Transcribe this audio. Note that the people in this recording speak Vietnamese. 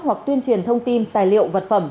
hoặc tuyên truyền thông tin tài liệu vật phẩm